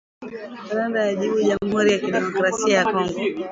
Rwanda yajibu Jamhuri ya kidemokrasia ya Kongo.